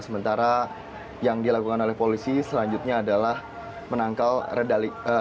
sementara yang dilakukan oleh polisi selanjutnya adalah menangkal redali